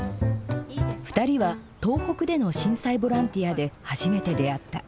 ２人は東北での震災ボランティアで初めて出会った。